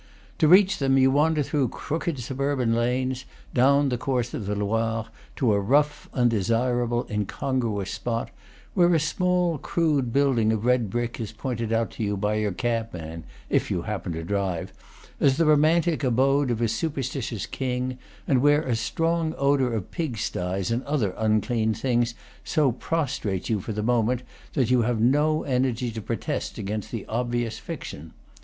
To reach them you wander through crooked suburban lanes, down the course of the Loire, to a rough, undesirable, incon gruous spot, where a small, crude building of red brick is pointed out to you by your cabman (if you happen to drive) as the romantic abode of a super stitious king, and where a strong odor of pigsties and other unclean things so prostrates you for the moment that you have no energy to protest against the obvious fiction.